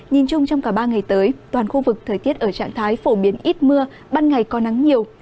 nhìn chung trong cả ba ngày tới toàn khu vực thời tiết ở trạng thái phổ biến ít mưa ban ngày có nắng nhiều